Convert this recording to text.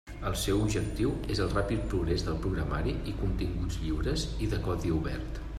El seu objectiu és el ràpid progrés del programari i continguts lliures i de codi obert.